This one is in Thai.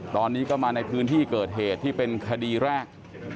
ตอนนี้ก็มาในพื้นที่เกิดเหตุที่เป็นคดีแรก